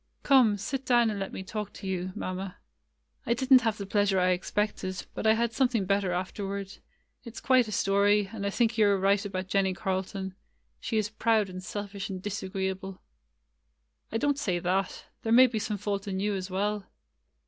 "Come, sit down and let me talk to you, [ 92 ] GRACE^S HOLIDAY Mamma. I did n't have the pleasure I expected, but I had something better after ward. It 's quite a story, and I think you are [ 93 ] AN EASTER LILY right about Jennie Carlton. She is proud and selfish and disagreeable." ''I don't say that. There may be some fault in you as well."